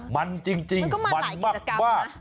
มันจริงมันมาก